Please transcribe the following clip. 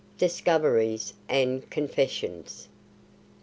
DISCOVERIES AND CONFESSIONS.